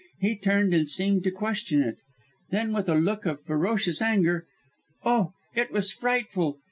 He turned and seemed to question it. Then with a look of ferocious anger oh! it was frightful!